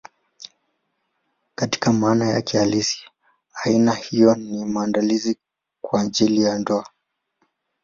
Katika maana yake halisi, aina hiyo ni ya maandalizi kwa ajili ya ndoa.